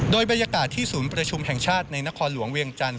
โดยบรรยากาศที่ศูนย์ประชุมแห่งชาติในนครหลวงเวียงจันท